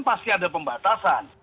pasti ada pembatasan